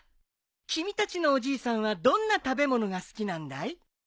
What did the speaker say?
君たちのおじいさんはどんな食べ物が好きなんだい？